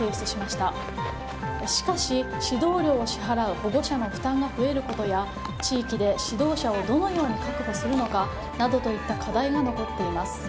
しかし指導料を支払う保護者の負担が増えることや地域で指導者をどのように確保するのかなどといった課題が残っています。